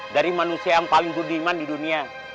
dari manusia yang paling berdiman di dunia